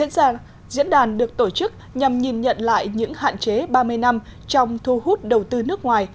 diễn đàn được tổ chức nhằm nhìn nhận lại những hạn chế ba mươi năm trong thu hút đầu tư nước ngoài